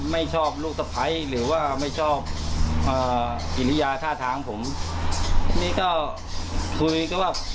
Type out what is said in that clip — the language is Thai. ไม่ชอบลูกสะพ้ายหรือว่าไม่ชอบเอ่อกิริยาท่าทางผมนี่ก็คุยก็ว่า